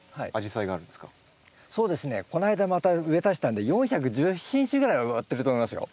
そうですねこないだまた植え足したんで４１０品種ぐらいは植わってると思いますよ。